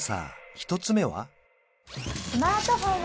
１つ目は？